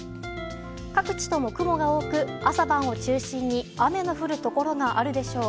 各地とも雲が多く、朝晩を中心に雨の降るところがあるでしょう。